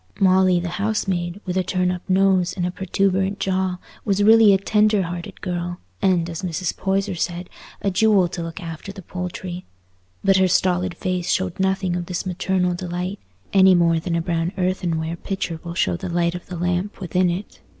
Molly, the housemaid, with a turn up nose and a protuberant jaw, was really a tender hearted girl, and, as Mrs. Poyser said, a jewel to look after the poultry; but her stolid face showed nothing of this maternal delight, any more than a brown earthenware pitcher will show the light of the lamp within it.